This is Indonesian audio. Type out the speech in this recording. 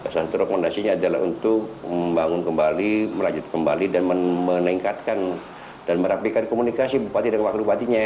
satu rekomendasinya adalah untuk membangun kembali merajut kembali dan meningkatkan dan merapikan komunikasi bupati dan wakil bupatinya